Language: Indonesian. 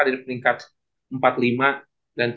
ada di peringkat empat puluh lima dan